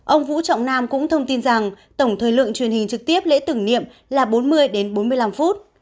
ông vũ trọng nam cũng thông tin rằng tổng thời lượng truyền hình trực tiếp lễ tưởng niệm là bốn mươi đến bốn mươi năm phút